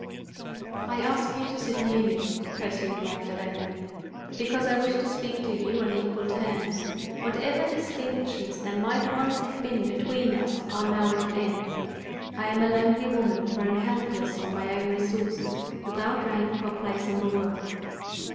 "I ask you to sit near me," pursued Magdalen, "because I wish to speak to you on equal terms. Whatever distinctions there might once have been between us are now at an end. I am a lonely woman thrown helpless on my own resources, without rank or place in the world.